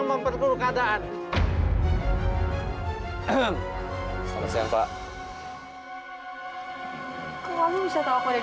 sampai jumpa di video selanjutnya